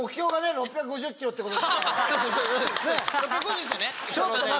６５０っすよね！